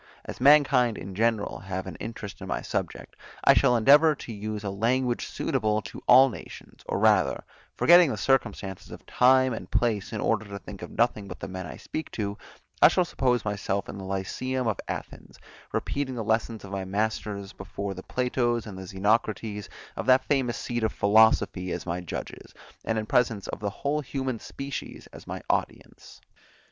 As mankind in general have an interest in my subject, I shall endeavour to use a language suitable to all nations; or rather, forgetting the circumstances of time and place in order to think of nothing but the men I speak to, I shall suppose myself in the Lyceum of Athens, repeating the lessons of my masters before the Platos and the Xenocrates of that famous seat of philosophy as my judges, and in presence of the whole human species as my audience.